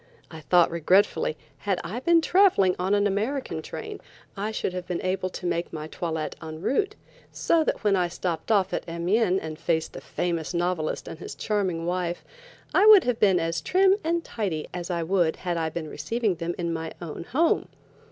I thought regretfully, had I been traveling on an American train, I should have been able to make my toilet en route, so that when I stepped off at Amiens and faced the famous novelist and his charming wife, I would have been as trim and tidy as I would had I been receiving them in my own home.